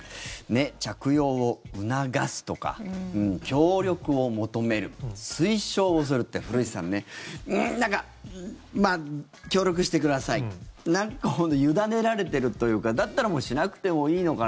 着用を促すとか協力を求める、推奨をするって古市さんね、なんか協力してくださいなんか委ねられてるというかだったらもうしなくてもいいのかな